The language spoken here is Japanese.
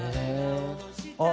あっ！